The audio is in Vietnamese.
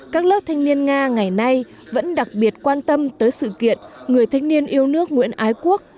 các lớp thanh niên nga ngày nay vẫn đặc biệt quan tâm tới sự kiện người thanh niên yêu nước nguyễn ái quốc